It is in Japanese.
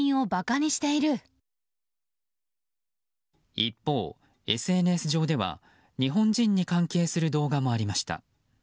一方、ＳＮＳ上では日本人に関係する動画もありました。